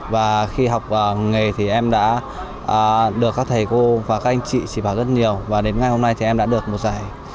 và khi học nghề thì em đã được các thầy cô và các anh chị chỉ bảo rất nhiều và đến ngày hôm nay thì em đã được một giải